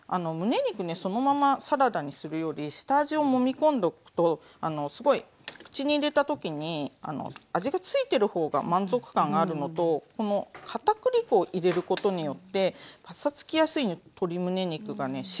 むね肉ねそのままサラダにするより下味をもみ込んどくとすごい口に入れた時に味がついてる方が満足感があるのとこのかたくり粉を入れることによってパサつきやすい鶏むね肉がね